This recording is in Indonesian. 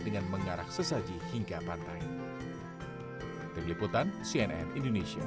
dengan mengarak sesaji hingga pantai